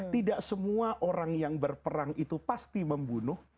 tidak semua orang yang berperang itu pasti membunuh